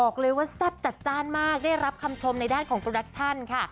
แซ่บจัดจ้านมากได้รับคำชมในด้านของโปรดักชั่นค่ะ